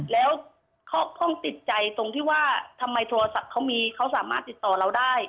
แล้วข้องติดใจตรงที่ว่าทำไมโทรศัพท์เขามีเขาสามารถติดต่อเราได้